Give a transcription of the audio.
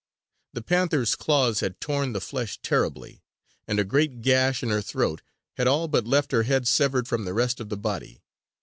The panther's claws had torn the flesh terribly; and a great gash in her throat had all but left her head severed from the rest of the body.